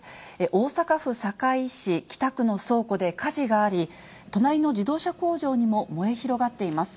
大阪府堺市北区の倉庫で火事があり、隣の自動車工場にも燃え広がっています。